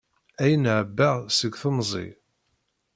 Ayen ɛebbaɣ seg temẓi.